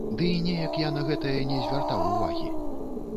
Ды і неяк я на гэтае не звяртаў увагі.